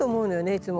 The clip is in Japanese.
いつも。